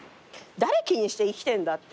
誰気にして生きてんだって。